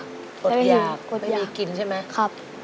กดอย่างไม่มีกินใช่ไหมครับ